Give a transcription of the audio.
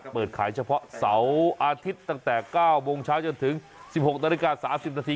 เปิดขายเฉพาะเสาร์อาทิตย์ตั้งแต่เก้าโมงเช้าจนถึงสิบหกนาฬิกาสามสิบนาที